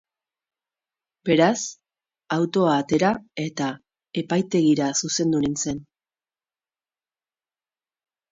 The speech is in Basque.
Beraz, autoa atera eta epaitegira zuzendu nintzen.